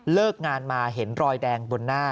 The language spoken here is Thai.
เลิกงานมาเห็นรอยแดงบนหน้า